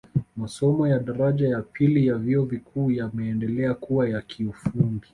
Masomo ya daraja ya pili ya vyuo vikuu yameendelea kuwa ya kiufundi